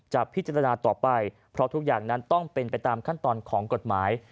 พิจารณาต่อไปเพราะทุกอย่างนั้นต้องเป็นไปตามขั้นตอนของกฎหมาย